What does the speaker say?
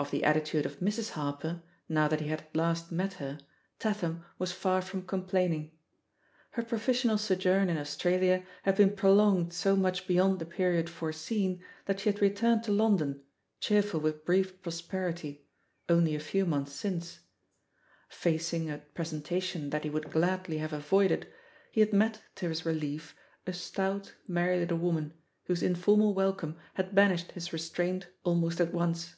Of the attitude of Mrs. Harper, now that he had at last met her, Tatham was far from com plaining. Her professional sojourn in Australia had been prolonged so much beyond the period foreseen that she had returned to London, cheer ful with brief prosperity, only a few months since. Facing a presentation that he would gladly have avoided, he had met, to his relief, a stout, merry little woman, whose informal wel come had banished his restraint almost at once.